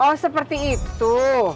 oh seperti itu